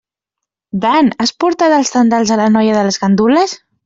Dan, has portat els tendals a la noia de les gandules?